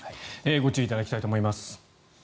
ご注意いただきたいと思います。